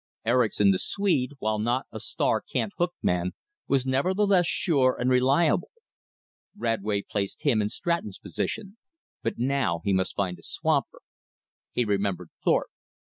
Erickson, the Swede, while not a star cant hook man, was nevertheless sure and reliable. Radway placed him in Stratton's place. But now he must find a swamper. He remembered Thorpe.